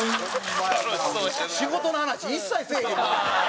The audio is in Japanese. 仕事の話一切せえへんな。